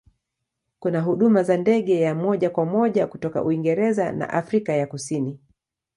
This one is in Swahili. Kuna huduma za ndege ya moja kwa moja kutoka Uingereza na Afrika ya Kusini.